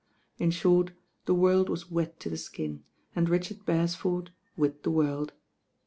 In short, the world was wet to the skin, and Richard Beresford with the world.